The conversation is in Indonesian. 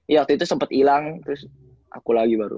iya waktu itu sempet ilang terus aku lagi baru